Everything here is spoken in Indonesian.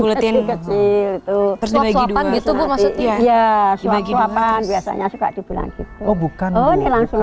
gitu gitu gitu maksudnya ya dibagi bagi lapan biasanya suka dibuat itu bukan oh ini langsung